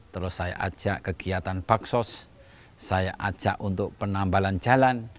terus saya ajak kegiatan baksos saya ajak untuk penambalan jalan